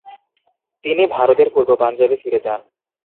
তিনি ভারতের পূর্ব পাঞ্জাবে ফিরে যান।